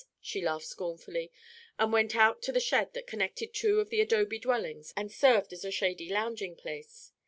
She laughed scornfully and went out to the shed that connected two of the adobe dwellings and served as a shady lounging place.